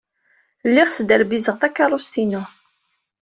Lliɣ sderbizeɣ takeṛṛust-inu.